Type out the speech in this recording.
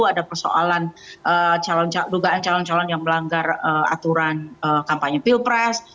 ada persoalan dugaan calon calon yang melanggar aturan kampanye pilpres